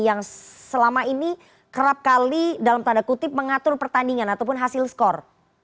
yang selama ini kerap kali dalam tanda kutip mengatur pertandingan ataupun hasil skor